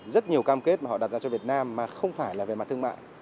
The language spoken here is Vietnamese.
rất nhiều cam kết mà họ đặt ra cho việt nam mà không phải là về mặt thương mại